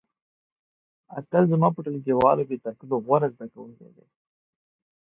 اتل زما په ټولګیوالو کې تر ټولو غوره زده کوونکی دی.